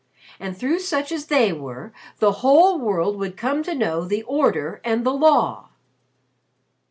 And through such as they were, the whole world would come to know the Order and the Law."